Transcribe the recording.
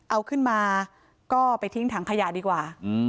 เอาขึ้นมาก็ไปทิ้งถังขยะดีกว่า